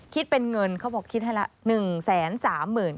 คิดเป็นเงินเขาบอกคิดให้ละ